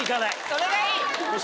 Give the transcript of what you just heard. それがいい！